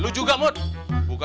lo juga mut